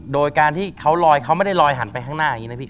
โดยการที่เขาลอยเขาไม่ได้ลอยหันไปข้างหน้าอย่างนี้นะพี่